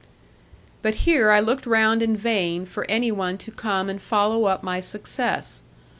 But here I looked round in vain for any one to come and follow up my success.